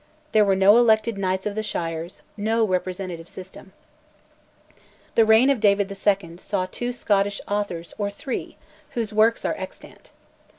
There were no elected Knights of the Shires, no representative system. The reign of David II. saw two Scottish authors or three, whose works are extant.